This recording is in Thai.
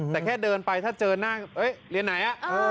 แต่แค่เดินไปถ้าเจอหน้าเรียนไหน